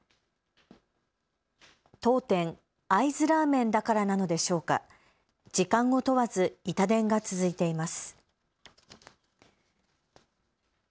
当店、会津ラーメンだからなのでしょうか、時間を問わずイタ電が続いています。